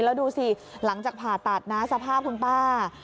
แล้วดูสิหลังจากผ่าตัดนะสภาพคุณป้า